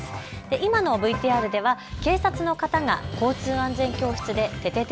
今のＶＴＲでは警察の方が交通安全教室でててて！